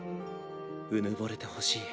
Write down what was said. うぬぼれてほしい。